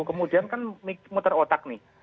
kemudian kan muter otak nih